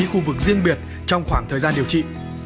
khu vực riêng biệt trong khoảng thời gian điều trị